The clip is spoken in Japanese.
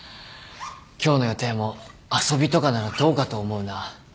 今日の予定も遊びとかならどうかと思うな。